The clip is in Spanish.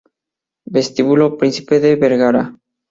Vestíbulo Príncipe de Vergara